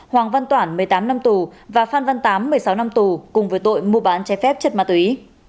hoàng văn toản một mươi tám năm tù và phan văn tám một mươi sáu năm tù cùng với tội mua bán trái phép chất ma túy